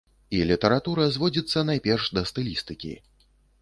І літаратура зводзіцца найперш да стылістыкі.